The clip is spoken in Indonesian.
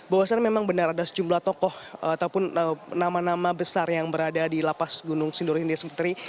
bahwasannya memang benar ada sejumlah tokoh ataupun nama nama besar yang berada di lapas gunung sindur hindia sendiri